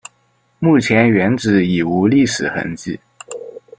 目前原址已无历史痕迹。